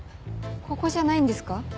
ここじゃないんですか？